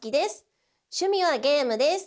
趣味はゲームです。